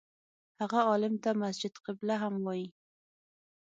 هغه عالم ته مسجد قبله هم وایي.